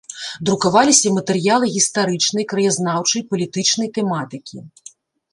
Друкаваліся матэрыялы гістарычнай, краязнаўчай, палітычнай тэматыкі.